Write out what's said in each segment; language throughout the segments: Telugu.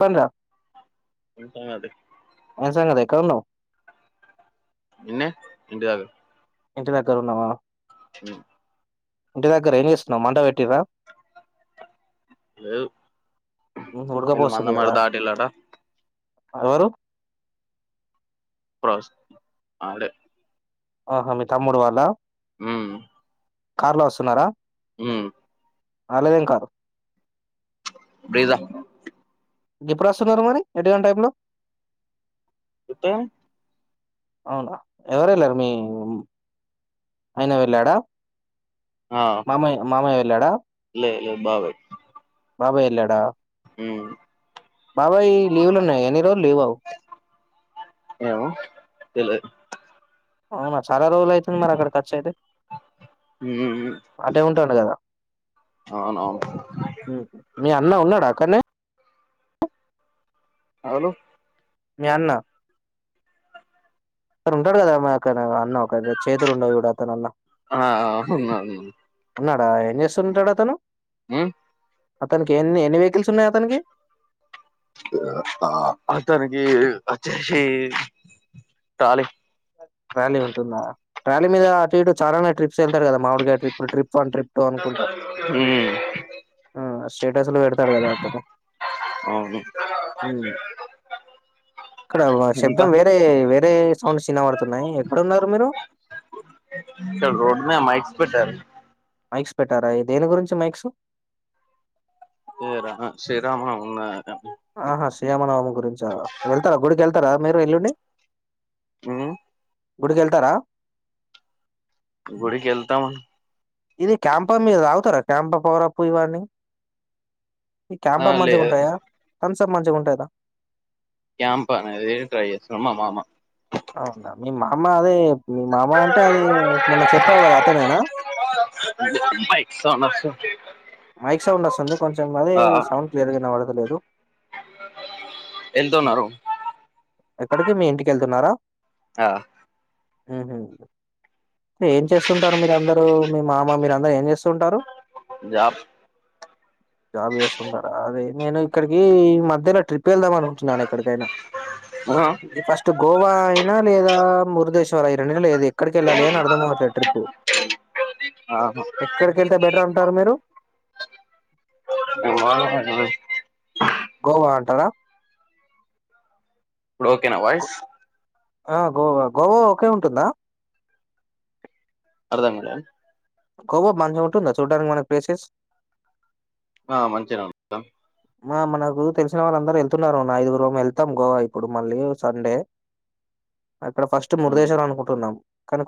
హలో ఏం సంగతి ఎక్కడ ఉన్నావ్ ఎన్న ఇంటి దగ్గర ఇంటి దాగరా ఉన్నవా హ్మ్ ఇంటి దగ్గర ఎయిం చేస్తున్నా మండ పెట్టిరా లేదు వీళ్ళు ఉడకపోస్తుంది కదా మందమరి దాటిలాట ఎవరు ప్ర ఆడే ఆహ మీ తమ్ముడు వాట హ్మ్ కార్ లో వస్తున్నారా హ్మ్ ఆలా ఎం కాదు బీదా జప్పు వాస్తున్నారు మరి ఎటుకంటి టైమ్ లో చెత్త అవునా ఎవరు వెళ్ళరు మీ అయిన వెళ్ళాడా మామయ మామయ్య వెళ్ళాడా బాబాయి బాబాయ్ వెళ్ళాడా బాబాయ్ లీవ్లు ఉన్నాయి ఎన్ని రోజులు లీవ్ అవ ఏమో తెలిదు అవునా చాలా రోజలు అయితంది మరి అక్కడ ఖర్చు అయితే మ్మ్ అటే ఉంటాడు కదా అవునవును ఉమ్. మీ అన్న ఉన్నాడా అకాడనే హలో అన్నా అ ఉంటాడు కదామ్మా అక్కను అన్న ఒక చేతులు ఉండవు ఇ అతనున్నా ఆ ఉన్నాడు ఉన్నాడా ఏం చేస్తుంటాడా అతను ఉమ్ అతనికి ఎన్ని ఎన్ని వెహికల్స్ ఉన్నాయి అతనికి అతనికి అచ్చేసి ట్రాలీ ట్రాలీ ఉంటుందా ట్రాలీ మీద అటు ఇటు చాలానే ట్రిప్స్ వెళ్తారు కదా మాములుగా trip to trip one trip two అనుకుంటా ఉమ్ అసలు పెడతారు కదా అతను అవును ఇక్కడ ఇంకా శబ్దం వేరే వేరే సౌండ్ పడుతున్నాయి ఎక్కడ ఉన్నారు మీరు ఇక్కడ రోడ్డు మీద మైక్స్ పెట్టారు మైక్స్ పెట్టారా దేని గురించి మైక్స్ ఏరా చేద్దాం అని అనుకున్న ఆహా శ్రీరామనవమి గురించ వెళ్తారా గుడికి వెళ్తారా మీరు ఎల్లుండి మ్మ్ హ్ గుడికి వెళ్తారా గుడికి వెళ్తాము ఇది క్యాంప మీరు తాగుతారా క్యాంప పవరప్పు ఇవన్నీ ఈ క్యాంప ఆ మంచిగా లేదు ఉంటాయా థంసప్ మంచిగా ఉంటాదా క్యాంప్ అనేది ట్రై చేస్తున్నం మామ అవునా మీ మామ అదే మీ మామ అంటే అది మొన్న చెప్పావు కదా అతనేనా బైక్ సౌండ్ వస్తుంది మైక్ సౌండ్ వస్తుంది కొంచెం అది ఆ సౌండ్ క్లియర్ గా వినబడుతలేదు వెళ్తున్నారు ఎక్కడికి మీ ఇంటికెళ్తున్నారా ఆ ఏం చేస్తుంటారు మీరు అందరూ మీ మామ మీరు అందరు ఏం చేస్తుంటారు జాబ్ జాబ్ చేస్తుంటారా అదే నేను ఇక్కడికి ఈ మధ్యలో ట్రిప్ వెళ్దాం అనుకుంటున్నాను ఎక్కడికైనా ఆ ఫస్ట్ గోవా అయినా లేదా మురుదేశ్వర అయిన ఎల్ల లేదు ఎక్కడికి వెళ్ళాలి అని అర్థం అవట్లేదు ట్రిప్పు ఆహా ఎక్కడికి వెళ్తే బెటర్ అంటారు మీరు ఓ హిమాలయాలకి గోవా అంటరా ఇప్పుడు ఓకేనా గో- వాయిస్ ఆ గోవా గోవా ఒకే ఉంటుందా అర్థం కాలే గోవామంచిగా ఉంటుందా చూడడానికి మన ప్లేసెస్ ఆ మంచిగనే ఉంటది మనకు తెలిసిన వాళ్ళందరు వెళ్తున్నారు ఒక ఐదుగురం వెళ్తాం గోవా ఇప్పుడు మళ్ళీ సండే ఇక్కడ ఫస్ట్ మురుదేశ్వం ఉమ్ అనుకుంటున్నం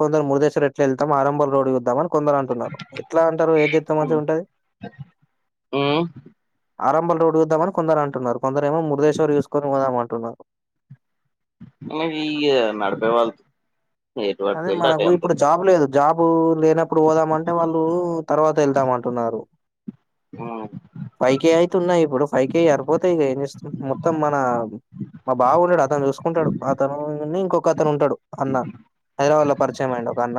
కొందరు మురుదేశ్వం ఏట్లా వెల్తాం ఆడ మూడు రోజులు ఉందాం అని కొందరు అంటున్నారు ఎట్లా అంటారు ఎం చెత్తే మంచిగా ఉంటది ఉమ్ ఆరంబల్ రోడ్ చుద్దామని కొందరు అంటున్నారు కొందరు ఏమో మురుధేశ్వర్ చూసుకొని పొదాం అంటున్నారు అ ఈ నడపే వాళ్ళు ఎటు అటు అదే వెళ్తే అటే మనకు అంతే ఇప్పుడు జాబ్ లేదు జాబు లేనప్పుడు పోదామంటే వాళ్ళు తర్వాత ఏళ్దామంటున్నారు ఉమ్ ఫైవ్ కే అయితు ఉన్నాయి ఇప్పుడు ఫైవ్ కే సరిపోతయి మొత్తం మన మా బావ ఉంటడు అతను చూసుకుంటాడు అతను ఇంకొ అతను ఉంటాడు అన్న హైదరాబాద్ లో పరిచయం అండు ఒక అన్న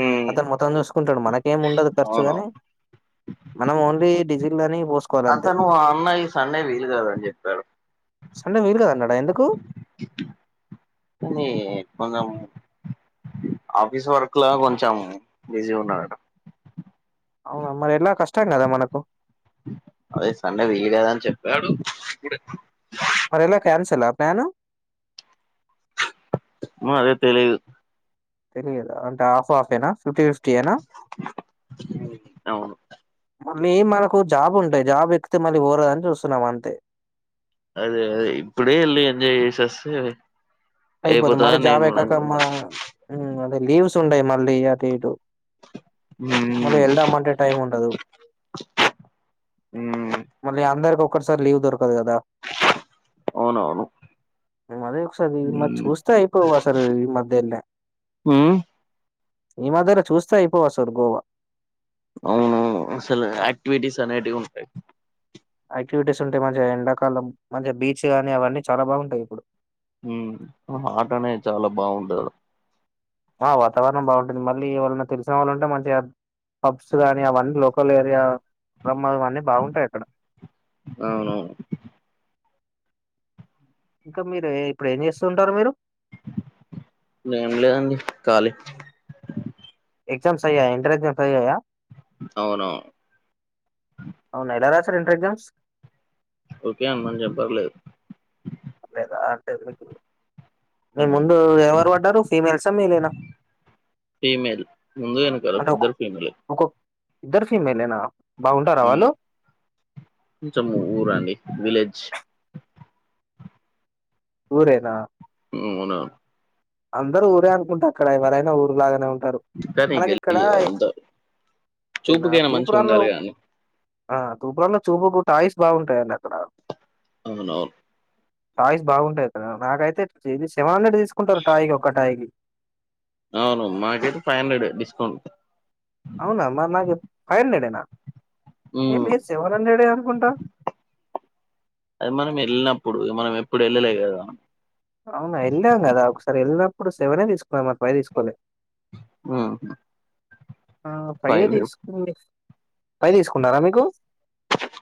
ఉమ్ అతను మొత్తం చూసు కుంటాడు మనకేం ఉండదు ఖర్చు గాని అవునవును మనం ఓన్లీ డీజిల్ గాని అతను ఆ అన్న ఈ సండే వీలు కాదని చెప్పారు సండే వీలు గాదు అన్నాడా ఎందుకు ఎట్ పోదాము ఆఫీస్ వర్క్ లా కొంచెం బిజీ ఉన్నాడట అవునా మరి ఎలా కష్టం గదా మనకు అదే సండే దీయ్యలేదని చెప్పాడు ఇప్పుడే మరి ఎలా క్యాన్సలా ప్లాను అదే తెలీయదు తెలియదా అంటే ఆఫ్ ఆఫ్ యేనా ఫిఫ్టీ ఏనా అవును మళ్ళీ మనకు జాబ్ ఉండే జాబ్ ఎక్తే మళ్ళీ పోరాదని చూస్తున్నాం అంతే అదే అదే ఇప్పుడే యెళ్ళి ఎంజాయ్ చేసి వస్తే అయిపోది మళ్ళీ జాబే యేకాక మా అదే లీవ్స్ ఉండయి మళ్ళీ అటు ఇటు మళ్ళీ ఉమ్ యెళ్దామంటే టైం ఉండదు ఉమ్ మళ్ళీ అందరు ఒక్కసారి లీవ్ దొరకదు గదా అవునవును అదే ఒకసారి చూస్తే అయిపో అసలు ఈ మధ్యనే ఉమ్ ఈ మధ్యర చూస్తే అయిపోవు అసలు గోవా అవును అసలు యాక్టివిటీస్ అనేటివి ఉంటాయి. యాక్టివిటీస్ ఉంటాయి మంచి ఎండాకాలం మంచి బీచ్ గానీ అవన్నీ చాలా బాగుంటాయి ఇప్పుడు ఉమ్ హాట్ అనే చాలా బాగుంటదాడ ఆ వాతావరణం బాగుంటుంది మళ్ళీ ఎవళ్ళన్న తెలిసిన వాళ్ళు ఉంటే మంచిగా పబ్స్ గాని అవన్నీ లోకల్ ఏరియా రమ్మ అన్నీ బాగుంటాయి అక్కడ అవునవును ఇంకా మీరు ఇప్పుడు ఏం జేస్తూ ఉంటారు మీరు ఏం లేదండి ఖాళీ ఎగ్జామ్స్ ఐయాయా ఇంటర్ ఎగ్జామ్స్ ఐయాయా అవును అవునా ఎలా రాసారు ఇంటర్ ఎగ్జామ్స్ ఓకే అన్మని జెపట్లేదు లేదా అంటే మీ ఉమ్ ముందు ఎవరు బడ్డారు ఫీమేల్సా మేలేనా ఫీమేల్ ముందు యెనకాల అంటే ఒ ఇద్దరు ఫీమేలే ఒక్కొక్క ఇద్దరు ఫీమేలేనా బాగుంటారా ఉమ్ వాళ్ళు కొంచం ఊరండి విలేజ్ ఊరేనా అవునా అందరు ఊరే అనుకుంటా అక్కడ ఎవరైనా ఊరులాగానే ఉంట టారు కానీ మనకి ఇక్కడ గల్లీ అంత అంతేనా చూపుకైనా తూప్ మంచిగా రాన్ లో ఉండాలి కదండి ఆ తూపురాలో చూపు గుట్ట టాయ్స్ బాగుంటాయి అన్నట్టు అక్కడ అవునవును టాయ్స్ బాగుంటాయి అక్కడ నాకైతే ఇది సెవెన్ హండ్రెడ్ తీసుకుంటారు టాయ్ కి ఒక టాయ్ కి అవును మాకైతే ఫైవ్ హండ్రెడ్ డిస్కౌంట్ అవునా మరి నాకు ఫైవ్ హండ్రెడ్ యేనా ఏ ఉమ్ లేదు సెవెన్ హండ్రెడే అనుకుంటా అది మనం యెళ్ళినప్పుడు మనం ఎప్పుడు యెళ్ళలే గదా అవునా యెళ్ళాం కదా ఒకసారి యెళ్ళినప్పుడు సెవెనే తీసుకున్నాం మన ఫైవ్ తీసుకోలే ఉమ్ ఆ ఫైవే ఫైవ్ ఫిఫ్టీ దీసుకుంది ఫైవ్ దీసుకున్నారా మీకు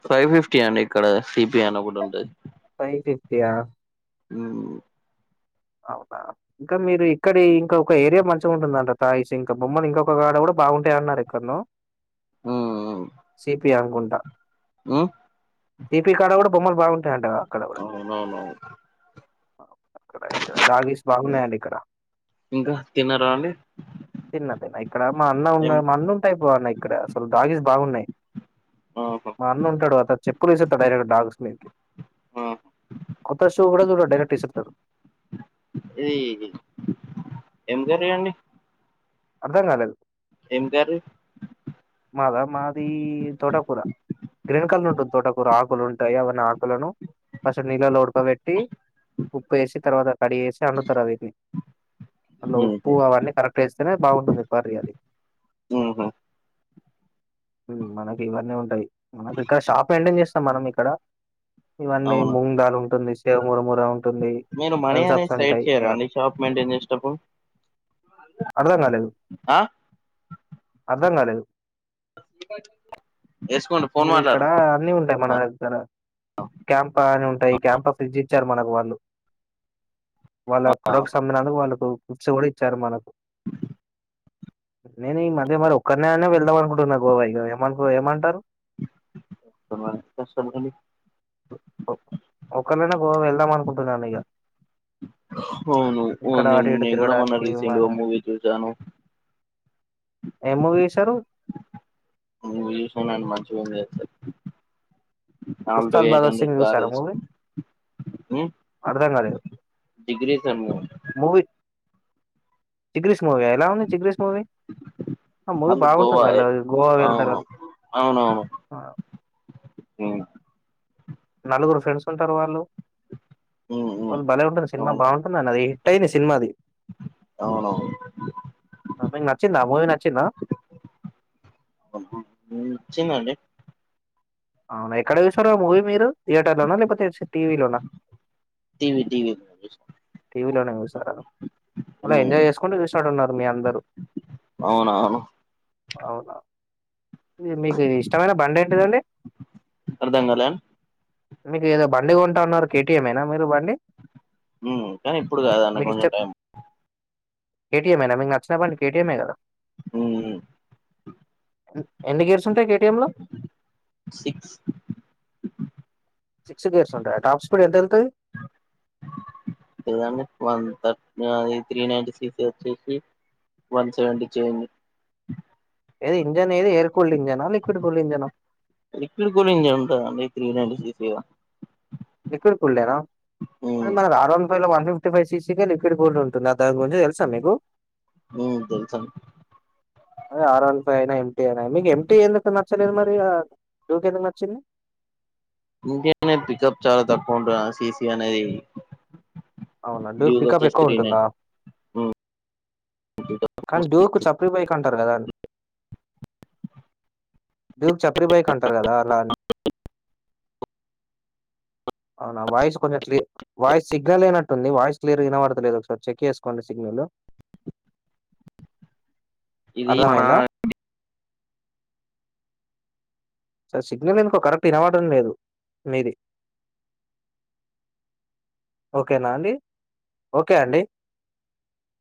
ఫైవ్ ఫిఫ్టీ అండి ఇక్కడ సిపి అని ఒకటి ఉంటది ప్యాయా ఉమ్ అవునా ఇంకా మీరు ఇక్కడ ఇంక ఒక ఏరియా మంచిగా ఉంటుందంట టాయిస్ ఇంకా బొమ్మలు ఇంకొక గాడ గూడా బాగుంటయన్నారేక్కన్నో ఉమ్ సిపిి అకుంట ఉమ్ సిపి కాడ కూడా కొమ్మల్ బాగుంటాయంట గా అవునవును దాగిస్ బాగున్నాయట ఇక్కడ ార అండి తిన్న తిన్న ఇక్కడ మా అన్న ఉన్న ఏం మా అన్ననుంటైపోవ్ అన్న ఇక్కడ అసలు దాగీస్ బాగున్నాయ్ ఆహా మా అన్న ఉంటాడు అత చెక్కులు వేస్తేస్తడు డైరెక్ట్ డాగ్స్ మీకి ఆహా ఆకాష్ లో కూడ డైరెక్ట్ ఇసుర్తాడు ఇది ఇది ఎంకరి అండి అర్థం కాలేదు ఏం కర్రి మాద మాది తోట కూర గ్రీన్ కల్ర్ ఉంటుంది తోటకూర ఆకులు ఉంటాయి అవన్న ఆకులను కాసేప్ నీళ్ళల్ల ఉడ్ క్క పెట్టి ఉప్పు వేసి తర్వాత కడిగేసి అండుతారు అవీట్నీ అందులో ఉప్పు ఉహు అవన్నీ కరెక్ట్ ఏస్తేనే బాగుంటుంది కర్రి అది ఉహు మ్ మనకి ఇవన్నీ ఉంటాయి మనకు ఇక్కడ షాప్ మైంటైన్ చేస్తాం మనం ఇక్కడ ఇవన్నీ అవునా మూంగ్ దాల్ ఉంటుంది సేమురు మొ గా ఉంటుంది మీరు మనీ అనేది తంస్సప్స్ సైడ్ ఉంటాయ్ చేయరా అండి షాప్ మెయింటైన్ చేసేటప్పుడు అర్ధం కాలేదు ఆ అర్ధం కాలేదు ఇ బ మీరు ఇక్కడ అన్నిీ ఉంటాయ్ మన దగ్గర క్యాంప అని ఉంటాయి క్యాంప ఫ్రిడ్జి ఇచ్చారు మనకు వాళ్ళు వాళ్ళ ఆ ప్రొడక్ట్స్ అమ్మినందుకు వాళ్ళు గిఫ్ట్స్ కూడా ఇచ్చారు మనకు నేనే ఈ మధ్య మరి ఒక్కర్నై వెళ్ ద్ధం మనుకుంటున్నా గోవ ఇగ ఏమన్ ఏమంటారు కష్టమని ఒక్కనైనా గోవా వెళ్దాం అనుకుంటున్నాను ఇగ అవును మ్ ఇటు నేను కూడా మొన్న తిరగడానికి రీసెంట్గా మూవీ చూసాను ఎం మూవీ చూసారు [unintelligible] మంచి Alto Ustaad eight Bhagat hundred Singh car చూసారా తీస్ మూవీ అర్థం కాలేదు జిగ్రి సేమ్ము జీగ్రీస్ మూవ ఎలా ఉంది జిగ్రీస్ మూవీ ఆ మూవీ వాళ్ళు గోవా బాగుంటుంది అలా ఎ- గోవా వెళ్తారు అవును వా అవునవును మ్ నలుగురు ఫ్రెండ్స్ ఉంటారు వాళ్ళు ఉమ్ ఉమ్, వాళ్ళు బలే ఉంటర్ సినిమా అవును బాగుంటుందన్న అది హిట్ అయింది సినిమా అది అవునవును అద్ నిక్ నచ్చిందా ఆ మూవీ నచ్చిందా చ్ అవునా ఎక్కడ చూసారు ఆ మూవీ మీరు థియేటర్ లోనా లేకపోతే టీవీ లోనా టీవీ టీవీ లో చూసాం టీవీలోనే చూసార అలా ఉమ్ ఎంజాయ్ చేసుకుంటూ చూసినట్టున్నారు మీ అందరు ఆ ఇది మీకు ఇది ఇష్టమైన బండెంటిదండి అర్థం కాలే మీకు ఏదో బండి కొంటా ఉన్నారు కేటీఎం ఏనా మీరు బండి మ్ కానీ ఇప్పుడు కాదు అన్న కొంచెం టైం కేటీఎంేనా మీకు నచ్చిన బండి కేటీఎంే కదా మ్ ఎన్ని గేర్స్ ఉంటాయి కేటిఎం లో సిక్స్ సిక్స్ గర్స్ ఉంట టాప్ స్కూడి ఎంత వె ఆ త్రీ నైన్టీ సిక్స్ ది వచేసి వన్ సెవెంటీ చేంజ్ ఏది ఇంజన్ ఏది ఏర్ కూల్డ్ ఇంజనా లిక్విడ్ కూల్డ్ ఇంజనా వా లిక్విడ్ కూల్డనా మన అరౌండ్ ఫైవ్ లో వన్ ఫిఫ్టీ ఫైవ్ ససీగా లిక్విడ్ కూల్డ్ ఉంటుంది దాని గురించి తెలుసా మీకు ఉమ్ తెలుసండి అదే ఆర్ వన్ ఫైవ్ అయినా యంటి అయినా మీకు యం టి ఎందుకు నచ్చలేదు మరి టూ క ఎందుకు నచ్చింది ఇంటర్నేెట్ పికప్ చాలా తక్కువ ఉంటు సీసీ అనేది అవునండుడి డ్యూక్ పికప్ వచ్చేసి ఎక్కువ త్రీ నైన్ ఉంటుందా కానీ డ్యూకు చాప్రి బైక్ అంటారు కదా డ్యూక్ చాప్రీ బైక్ అంటారు కదా అలా అవునా వాయిస్ కొంచెం క్ వాయిస్ సిగ్నల్ అయినట్టుంది వాయిస్ క్లియర్గాన పడలేదు ఒకసారి చెక్ చేసుకోండి సిగ్నల్ హలో ఇది మన అర్థమైందా సార్ సిగ్నల్ ఇందుకో కరెక్ట్ గా వినపడడం లేదు మీది ఓకేనా అండి ఓకే అండి